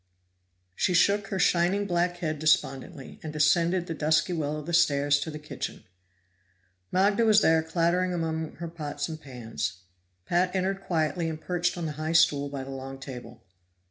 She shook her shining black head despondently, and descended the dusky well of the stairs to the kitchen. Magda was there clattering among her pots and pans; Pat entered quietly and perched on the high stool by the long table.